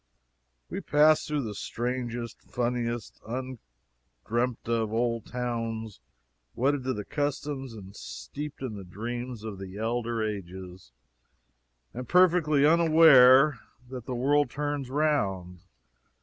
We passed through the strangest, funniest, undreampt of old towns, wedded to the customs and steeped in the dreams of the elder ages, and perfectly unaware that the world turns round!